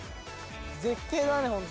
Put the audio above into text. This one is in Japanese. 絶景だねホント。